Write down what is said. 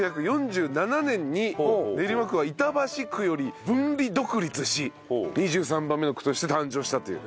１９４７年に練馬区は板橋区より分離独立し２３番目の区として誕生したという。